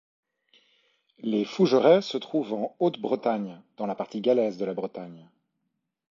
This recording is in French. Les Fougerêts se trouve en Haute-Bretagne, dans la partie gallaise de la Bretagne.